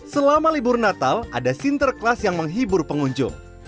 selama libur natal ada sinterklas yang menghibur pengunjung